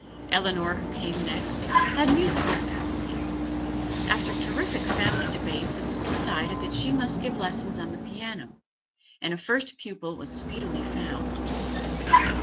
Eleanor who came next, had musical faculties; after terrific family debates it was decided that she must give lessons on the piano, and a first pupil was speedily found.